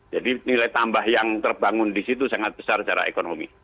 jadi nilai tambah yang terbangun di situ sangat besar secara ekonomi